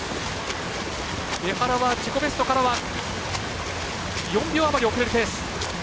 江原は自己ベストから４秒余り遅れるペース。